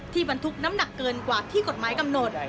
บรรทุกน้ำหนักเกินกว่าที่กฎหมายกำหนด